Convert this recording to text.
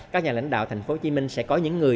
các nhà lãnh đạo thành phố hồ chí minh sẽ có những người